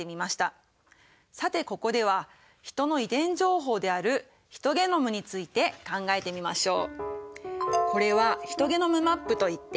さてここではヒトの遺伝情報であるヒトゲノムについて考えてみましょう。